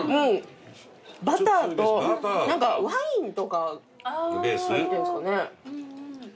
バターとワインとか入ってんですかね？